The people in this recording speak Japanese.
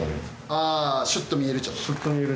ああシュッと見えるっちゃろ。